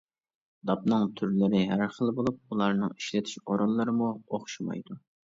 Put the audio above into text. داپنىڭ تۈرلىرى ھەر خىل بولۇپ، ئۇلارنىڭ ئىشلىتىش ئورۇنلىرىمۇ ئوخشىمايدۇ.